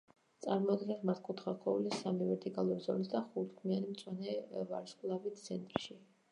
წარმოადგენს მართკუთხა ქსოვილს სამი ვერტიკალური ზოლით და ხუთქიმიანი მწვანე ვარსკვლავით ცენტრში.